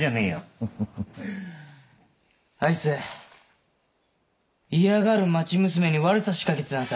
フフフッあいつ嫌がる町娘に悪さしかけてたんでさ